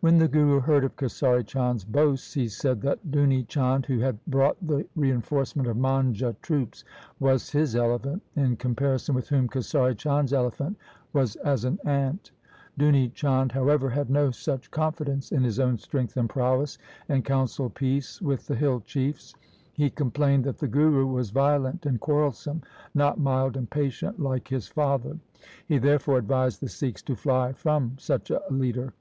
When the Guru heard of Kesari Chand's boasts he said that Duni Chand, who had brought the reinforcement of Manjha troops, was his elephant, in comparison with whom Kesari Chand's elephant was as an ant. Duni Chand, however, had no such confidence in his own strength and prowess, and counselled peace with the hill chiefs. He com plained that the Guru was violent and quarrelsome, not mild and patient like his father. He therefore advised the Sikhs to fly from such a leader.